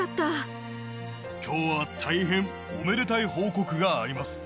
きょうは大変おめでたい報告があります。